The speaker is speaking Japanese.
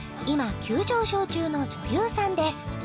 今急上昇中の女優さんです